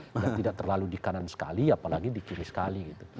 dan tidak terlalu di kanan sekali apalagi di kiri sekali gitu